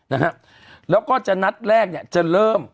นะฮะแล้วก็จะนัดแรกเนี่ยจะเริ่ม